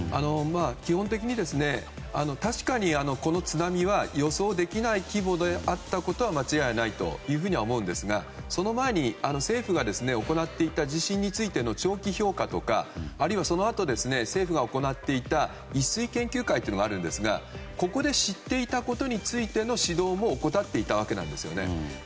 基本的に確かに、この津波は予想できない規模であったことは間違いないというふうには思うんですがその前に政府が行っていた地震についての長期評価とかあるいは政府が行っていた研究会というのがあるんですがここで知っていたことについての指導も怠っていたわけなんです。